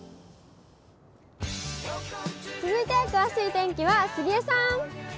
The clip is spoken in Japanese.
続いての詳しい天気は杉江さん。